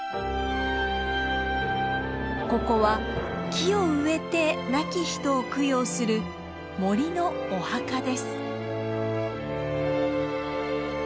ここは木を植えて亡き人を供養する森のお墓です。